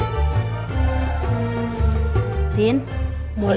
kembali ke tempat yang lain